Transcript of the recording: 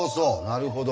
なるほど。